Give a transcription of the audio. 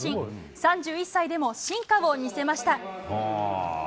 ３１歳でも進化を見せました。